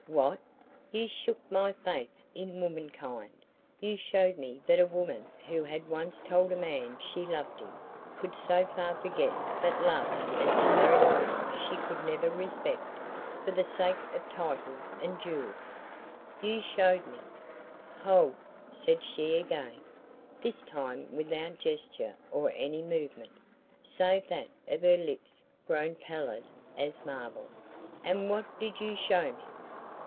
"What? You shook my faith in womankind; you showed me that a woman who had once told a man she loved him, could so far forget that love as to marry one she could never respect, for the sake of titles and jewels. You showed me " "Hold," said she again, this time without gesture or any movement, save that of her lips grown pallid as marble, "and what did you show me?"